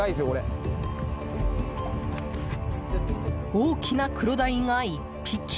大きなクロダイが１匹！